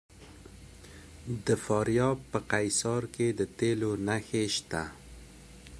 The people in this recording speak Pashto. د فاریاب په قیصار کې د تیلو نښې شته.